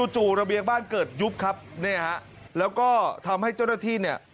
จู่ระเบียงบ้านเกิดยุบครับเนี่ยฮะแล้วก็ทำให้เจ้าหน้าที่เนี่ย